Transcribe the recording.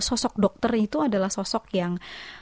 sosok dokter itu adalah sosok yang